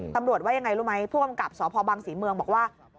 ว่ายังไงรู้ไหมผู้กำกับสพบังศรีเมืองบอกว่า